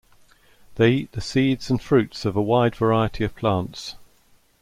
They eat the seeds and fruits of a wide variety of plants.